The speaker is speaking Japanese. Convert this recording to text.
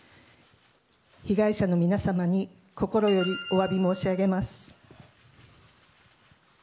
被害者の皆様に心よりお詫び申し上げます。